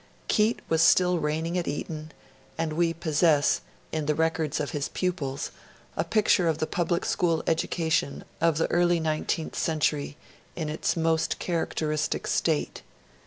Keate was still reigning at Eton; and we possess, in the records of his pupils, a picture of the public school education of the early nineteenth century, in its most characteristic state.